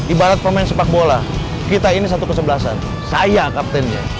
ibarat pemain sepak bola kita ini satu kesebelasan saya kaptennya